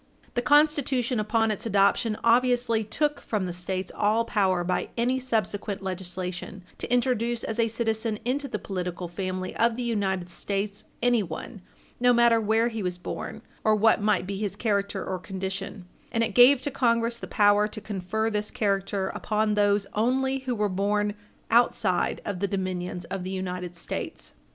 The Constitution upon its adoption obviously took from the States all power by any subsequent legislation to introduce as a citizen into the political family of the United States anyone, no matter where he was born or what might be his character or condition, and it gave to Congress the power to confer this character upon those only who were born outside of the dominions of the United States.